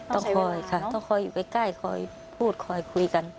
ต้องคอยค่ะต้องคอยอยู่ใกล้คอยพูดคอยคุยกัน